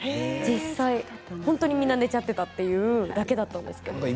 本当にみんな寝ちゃっていたというだけだったんですけど。